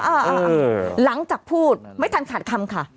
เออเออเออหลังจากพูดไม่ทันขาดคำค่ะ